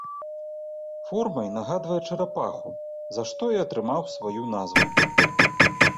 Формай нагадвае чарапаху, за што і атрымаў сваю назву.